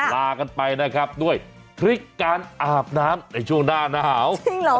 ลากันไปนะครับด้วยพริกการอาบน้ำในช่วงหน้าหนาวจริงเหรอ